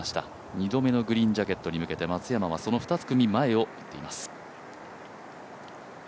２度目のグリーンジャケットに向けて、松山はその２つ前を回っています。